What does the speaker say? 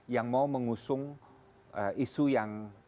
yang mau mengusung isu yang